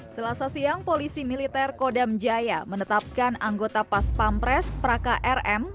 selasa siang polisi militer kodam jaya menetapkan anggota pas pampres praka rm